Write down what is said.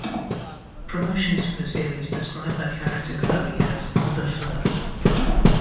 Promotions for the series describe her character Chloe as "The Flirt".